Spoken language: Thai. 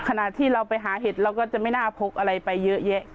ขณะที่เราไปหาเห็ดเราก็จะไม่น่าพกอะไรไปเยอะแยะ